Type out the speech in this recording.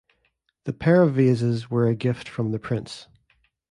The pair of vases were a gift from the prince.